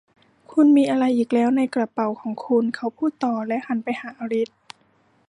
'คุณมีอะไรอีกแล้วในกระเป๋าของคุณ ?' เขาพูดต่อและหันไปหาอลิซ